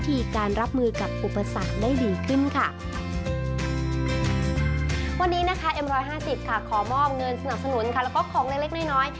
มีเนื้อนสนามสนุนและของเล็กหน่อย